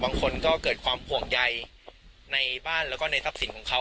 บางคนก็เกิดความห่วงใยในบ้านแล้วก็ในทรัพย์สินของเขา